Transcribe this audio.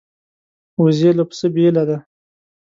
وزې له پسه بېله ده